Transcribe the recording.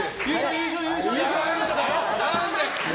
優勝、優勝！